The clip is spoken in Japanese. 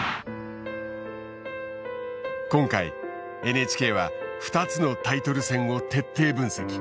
今回ＮＨＫは２つのタイトル戦を徹底分析。